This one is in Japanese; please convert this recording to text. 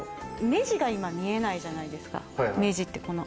目地が、いま見えないじゃないですか。